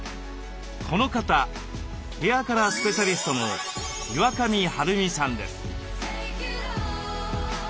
この方ヘアカラースペシャリストの岩上晴美さんです。